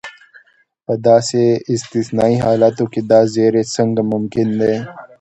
په داسې استثنایي حالتو کې دا زیری څنګه ممکن دی.